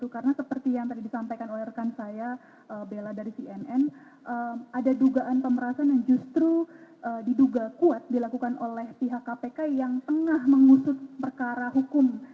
karena seperti yang tadi disampaikan oleh rekan saya bella dari cnn ada dugaan pemerasaan yang justru diduga kuat dilakukan oleh pihak kpk yang tengah mengusut perkara hukum